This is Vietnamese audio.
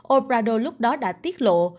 obrador lúc đó đã tiết lộ